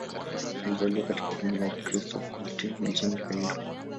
Alizaliwa katika familia ya Wakristo Wakopti mjini Kairo.